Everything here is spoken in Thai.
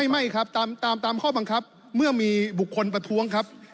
ไม่ครับตามข้อบังคับเมื่อมีบุคคลประท้วงครับ